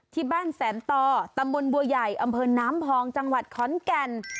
ที่บ้านแสนต่อตำบลบัวใหญ่อำเภอน้ำพองจังหวัดขอนแก่น